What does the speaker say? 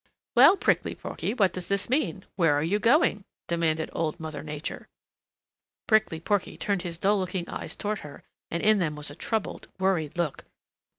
"Well, Prickly Porky, what does this mean? Where are you going?" demanded Old Mother Nature. Prickly Porky turned his dull looking eyes towards her, and in them was a troubled, worried look.